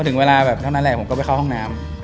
ถึงเวลาแบบเท่านั้นแหละผมก็ไปเข้าห้องน้ำ